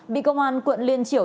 bị công an quận liên triểu